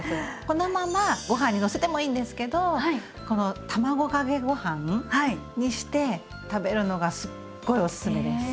このままご飯にのせてもいいんですけどこの卵かけご飯にして食べるのがすっごいおすすめです！